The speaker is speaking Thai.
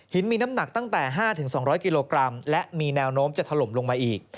มีน้ำหนักตั้งแต่๕๒๐๐กิโลกรัมและมีแนวโน้มจะถล่มลงมาอีก